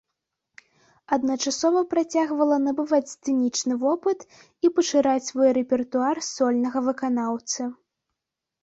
Адначасова працягвала набываць сцэнічны вопыт і пашыраць свой рэпертуар сольнага выканаўцы.